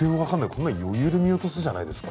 こんなの余裕で見落とすじゃないですか。